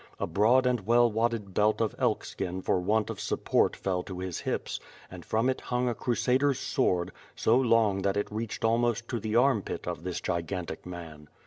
A broad and well wadded belt of elk skin for want of support fell to his hips, and from it hung a Crusader^s sword, so long that it reached almost to the arm pit of this gigantic man.